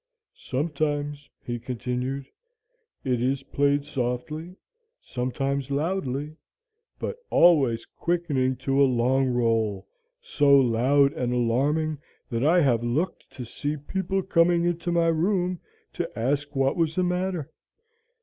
'Sometimes,' he continued, 'it is played softly, sometimes loudly, but always quickening to a long roll, so loud and alarming that I have looked to see people coming into my room to ask what was the matter.